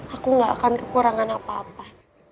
aku gak akan kekurangan apa apa